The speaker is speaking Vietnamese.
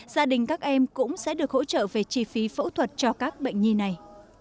gia đình các em cũng sẽ được hỗ trợ về chi phí phẫu thuật cho các bệnh nhi này